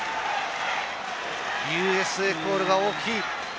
ＵＳＡコールが大きい。